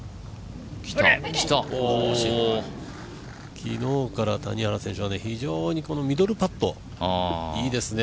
昨日から谷原選手はミドルパットいいですね。